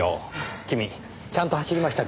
君ちゃんと走りましたか？